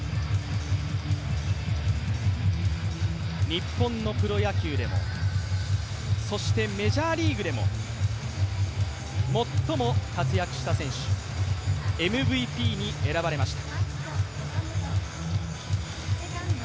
日本のプロ野球でも、そしてメジャーリーグでも最も活躍した選手、ＭＶＰに選ばれました。